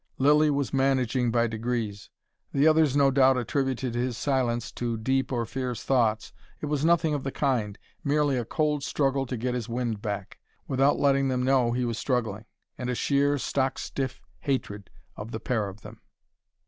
Lilly was managing by degrees. The others no doubt attributed his silence to deep or fierce thoughts. It was nothing of the kind, merely a cold struggle to get his wind back, without letting them know he was struggling: and a sheer, stock stiff hatred of the pair of them.